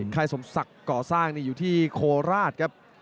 ใครสมศักย์เก่าสร้างอยู่ที่โคราชครับ